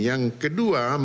yang kedua mendorong